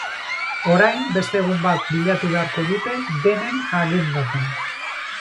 Orain beste egun bat bilatu beharko dute denen agendatan.